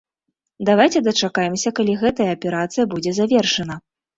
Давайце дачакаемся, калі гэтая аперацыя будзе завершана.